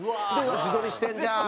「自撮りしてんじゃん！」